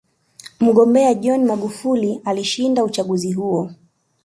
mgombea john magufuli alishinda uchaguzi huo